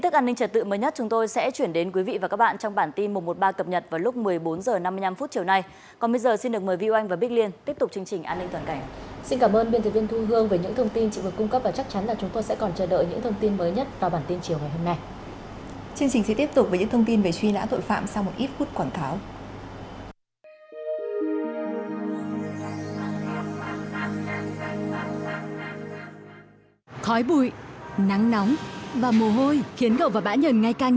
chương trình sẽ tiếp tục với những thông tin về truy nã tội phạm sau một ít phút quản tháo